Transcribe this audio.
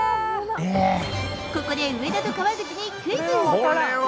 ここで、上田と川口にクイズ。